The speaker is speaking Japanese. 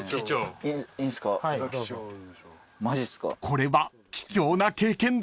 ［これは貴重な経験です］